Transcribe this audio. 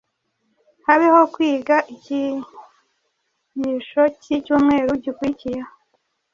habeho kwiga icyigisho cy’icyumweru gikurikiyeho,